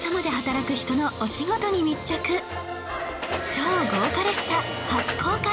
超豪華列車初公開！